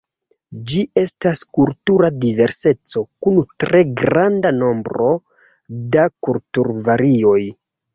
Ĝi estas kultura diverseco kun tre granda nombro da kulturvarioj.